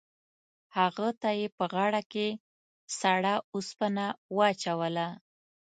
هغه ته یې په غاړه کې سړه اوسپنه واچوله.